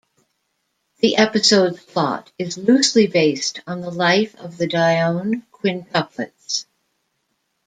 The episode's plot is loosely based on the life of the Dionne quintuplets.